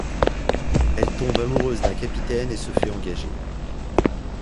Elle tombe amoureuse d'un capitaine et se fait engager.